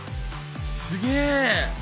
すげえ！